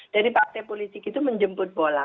dari partai politik itu menjemput bola